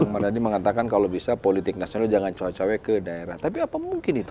mardani mengatakan kalau bisa politik nasional jangan cuek cewek ke daerah tapi apa mungkin itu